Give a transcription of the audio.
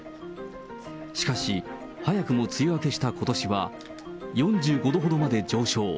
しかし、早くも梅雨明けしたことしは、４５度ほどまで上昇。